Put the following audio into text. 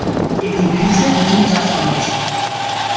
এটি গ্রিসে প্রথম চাষ করা হয়েছিল।